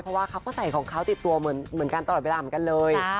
เพราะว่าเขาก็ใส่ของเขาติดตัวเหมือนกันตลอดเวลาเหมือนกันเลย